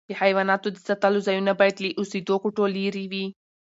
د حیواناتو د ساتلو ځایونه باید له اوسېدو کوټو لیري وي.